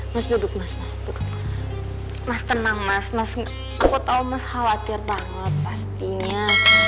mas duduk mas mas tenang mas aku tau mas khawatir banget pastinya